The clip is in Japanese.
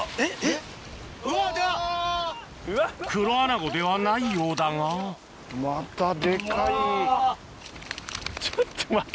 クロアナゴではないようだがちょっと待って。